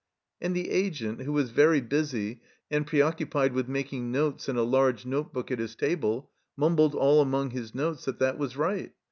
And the Agent, who was very busy and pre occupied with making notes in a large notebook at his table, mumbled all among his notes that that was right.